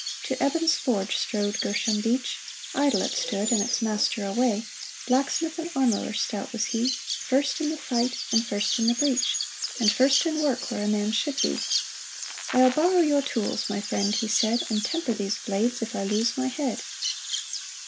To Eben's forge strode Gershom Beach (Idle it stood, and its master away) ; 4i8 THE armorer's errand Blacksmith and armorer stout was he, First in the fight and first in the breach, And first in work where a man should be. " I'll borrow your tools, my friend," he said, *' And temper these blades if I lose my head!